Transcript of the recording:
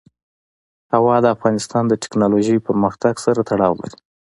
هوا د افغانستان د تکنالوژۍ پرمختګ سره تړاو لري.